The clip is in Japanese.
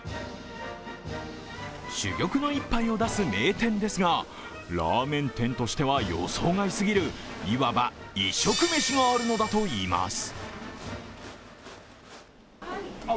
珠玉の一杯を出す名店ですが予想外すぎる、いわば異色メシがあるのだといいます。